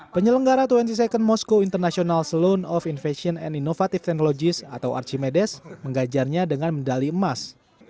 penyelenggara dua puluh dua nd moscow international saloon of innovation and innovative technologies atau archimedes menggajarnya dengan medali emas